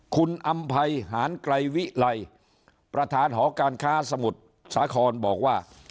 คุณอำภัยหานไกรวิไลประธานหอการค้าสมุทรสาครบอกว่า